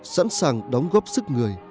sẵn sàng đóng góp sức người